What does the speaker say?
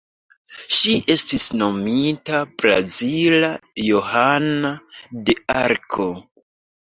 Ŝi estis nomita "Brazila Johana de Arko".